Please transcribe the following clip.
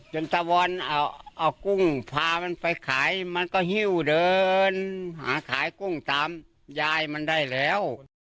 ตะวอนเอากุ้งพามันไปขายมันก็หิ้วเดินหาขายกุ้งตามยายมันได้แล้ว